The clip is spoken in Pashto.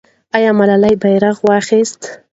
آیا ملالۍ بیرغ واخیست؟